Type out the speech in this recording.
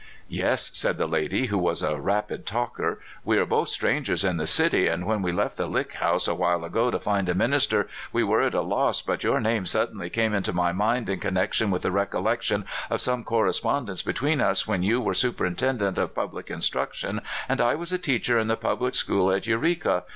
'* Yes," said the lady, who was a rapid talker. *' We are both strangers in the city; and when we left the Lick House awhile ago to find a minister we were at a loss, but your name suddenly came into my mind in connection with the recollection of some correspondence between us when you were superintendent of public instruction and I was a teacher in the public school at Eureka.